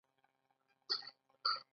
د تخار په ورسج کې څه شی شته؟